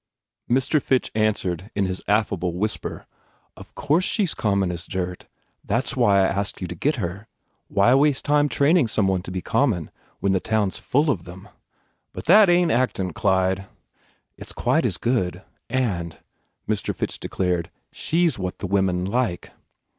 Mr. Fitch answered in his affable whisper, "Of course she s common as dirt. That s why I asked you to get her. Why waste time training some one to be common when the town s full of them?" "But that ain t actin , Clyde !" "It s quite as good. And," Mr. Fitch de clared, "she s what the women like."